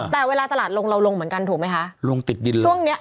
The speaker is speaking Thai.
แต่เวลาตลาดลงเราลงเหมือนกันถูกไหมคะลงติดดินเลยช่วงเนี้ย